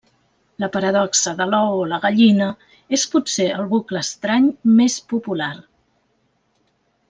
La paradoxa de l'ou o la gallina és potser el bucle estrany més popular.